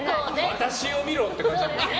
私を見ろ！って感じだしね。